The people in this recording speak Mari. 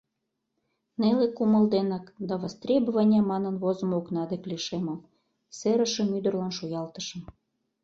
Неле кумыл денак «До востребования» манын возымо окна дек лишемым, серышым ӱдырлан шуялтышым.